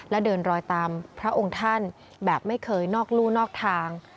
และเดินรอยตามพระองค์ท่านแบบไม่เคยนอกลู่นอกทาง